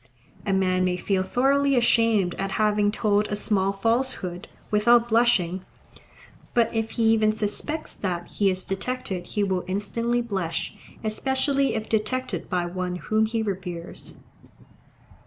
A man may feel thoroughly ashamed at having told a small falsehood, without blushing; but if he even suspects that he is detected he will instantly blush, especially if detected by one whom he reveres.